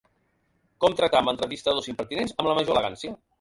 Com tractar amb entrevistadors impertinents amb la major elegància.